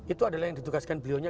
itu adalah yang ditugaskan beliau nya